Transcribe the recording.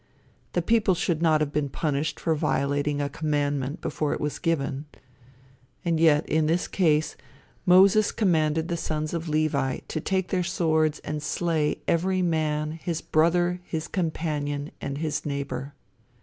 The people should not have been punished for violating a commandment before it was given. And yet, in this case, Moses commanded the sons of Levi to take their swords and slay every man his brother, his companion, and his neighbor.